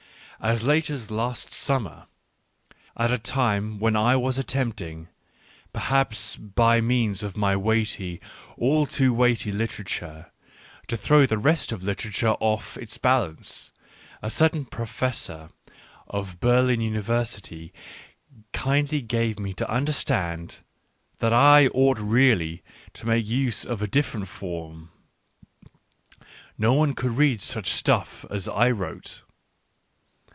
As late as last summer, at a time when I was attempting, perhaps by means of my weighty, all too weighty literature, to throw the rest of literature off its balance, a \ certain professor of Berlin University kindly gave i me to understand that I ought really to make use of a different form : no one could read such stuff as I wrote.